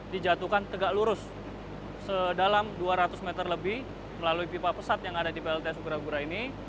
dijatuhkan tegak lurus sedalam dua ratus meter lebih melalui pipa pesat yang ada di plt subragura ini